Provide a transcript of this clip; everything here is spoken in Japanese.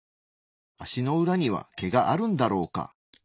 足の裏には毛があるんだろうか。